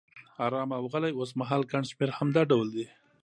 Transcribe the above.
آرام او غلی، اوسمهال ګڼ شمېر هم دا ډول دي.